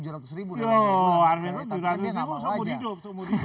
yo armin itu dua ratus ribu semua mau hidup